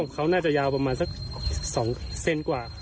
เขาน่าจะยาวประมาณสัก๒เซนกว่า